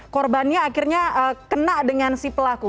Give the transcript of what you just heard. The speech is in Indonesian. korbannya akhirnya kena dengan si pelaku